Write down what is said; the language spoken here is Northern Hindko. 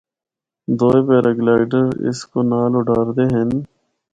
دوئے پیراگلائیڈر اس کو نال اُڈاردے ہن۔